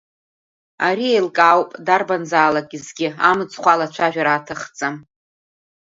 Ари еилкаауп, дарбанзаалак изгьы амыцхә алацәажәара аҭахӡам.